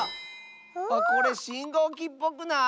これしんごうきっぽくない？